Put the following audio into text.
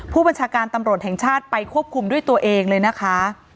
ผู้บัญชาการตำรวจแห่งชาติไปควบคุมด้วยตัวเองเลยนะคะ